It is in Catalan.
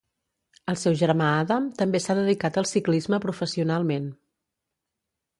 El seu germà Adam també s'ha dedicat al ciclisme professionalment.